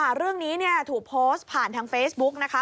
ใช่ค่ะเรื่องนี้ถูกโพสต์ผ่านทางเฟซบุ๊กนะคะ